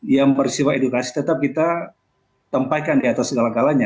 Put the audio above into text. yang bersifat edukasi tetap kita tempatikan di atas segala galanya